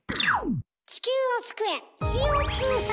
地球を救え！